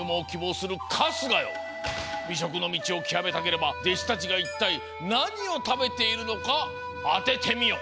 びしょくのみちをきわめたければでしたちがいったいなにをたべているのかあててみよ！